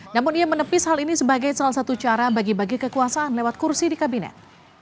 namun ia menepis hal ini sebagai salah satu cara bagi bagi kekuasaan lewat kursi di kabinet